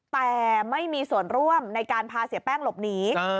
แต่ไม่มีส่วนร่วมในการพาเสียแป้งหลบหนี